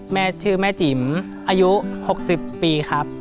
แม่ชื่อแม่จิ๋มอายุ๖๐ปีครับ